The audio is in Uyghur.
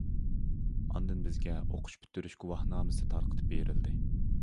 ئاندىن بىزگە ئوقۇش پۈتتۈرۈش گۇۋاھنامىسى تارقىتىپ بېرىلدى.